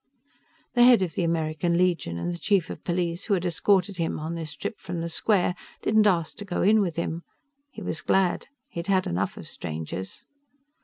The head of the American Legion and the chief of police, who had escorted him on this trip from the square, didn't ask to go in with him. He was glad. He'd had enough of strangers.